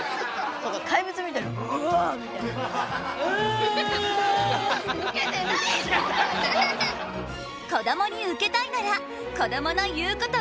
こどもにウケたいならこどもの言うことを聞け！